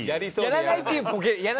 やらないっていうボケで。